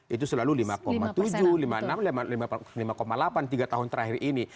itu selalu lima tujuh lima puluh enam lima delapan tiga tahun terakhir ini